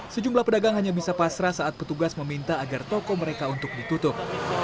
sejumlah pedagang hanya bisa pasrah saat petugas meminta agar toko mereka untuk ditutup